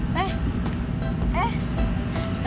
panggil nama aja